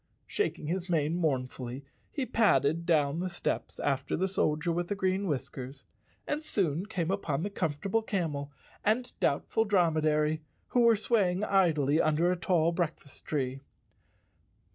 Shaking his mane mourn¬ fully, he padded down the steps after the Soldier with the Green Whiskers, and soon came upon the Com [i!i] Chapter Eight fortable Camel and Doubtful Dromedary, who were swaying idly under a tall breakfast tree.